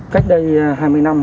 cách đây hai mươi năm